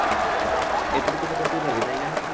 এটুকু তো করতে পারবি, তাই না?